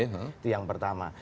itu yang pertama